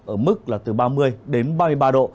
ở mức là từ ba mươi đến ba mươi ba độ